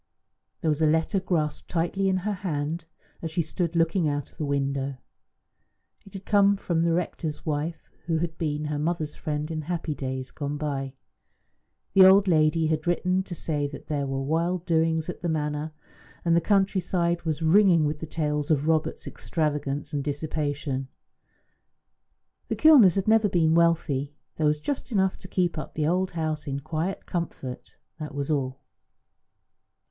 There was a letter grasped tightly in her hand, as she stood looking out of the window. It had come from the rector's wife, who had been her mother's friend in happy days gone by. The old lady had written to say that there were wild doings at the Manor, and the country side was ringing with tales of Robert's extravagance and dissipation. The Kilners had never been wealthy; there was just enough to keep up the old house in quiet comfort, and that was all.